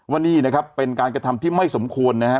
ว่านี่นะครับเป็นการกระทำที่ไม่สมควรนะฮะ